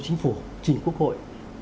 chính phủ chính quốc hội